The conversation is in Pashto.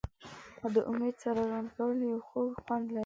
د امید سره ژوند کول یو خوږ خوند لري.